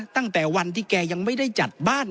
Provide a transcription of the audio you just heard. ตั้งแต่วันที่แกยังไม่ได้จัดบ้าน